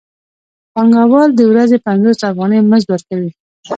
پانګوال د ورځې پنځوس افغانۍ مزد ورکوي